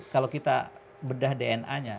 kalau kita bedah dna nya